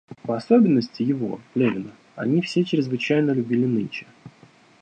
В особенности его, Левина, они все чрезвычайно любили нынче.